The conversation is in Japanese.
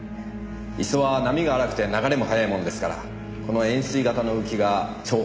磯は波が荒くて流れも速いもんですからこの円錐型の浮きが重宝するんです。